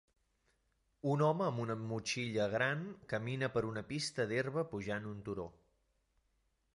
Un home amb una motxilla gran camina per una pista d'herba pujant un turó.